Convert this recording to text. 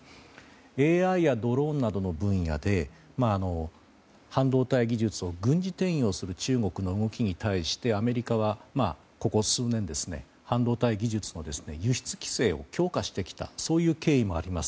ＡＩやドローンなどの分野で半導体技術を軍事転用する中国の動きに対してアメリカは、ここ数年半導体技術の輸出規制を強化してきたという経緯もあります。